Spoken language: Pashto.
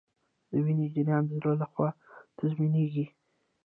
د وینې جریان د زړه لخوا تنظیمیږي